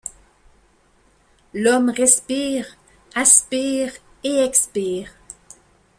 L’homme respire, aspire et expire.